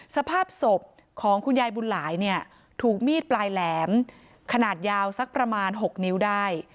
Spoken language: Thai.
สภาพศพของคุณยายบุญหลายเนี่ยถูกมีดปลายแหลมขนาดยาวสักประมาณ๖นิ้วได้